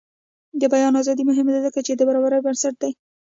د بیان ازادي مهمه ده ځکه چې د برابرۍ بنسټ دی.